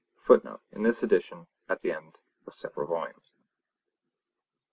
[Footnote: In this edition at the end of the several volumes.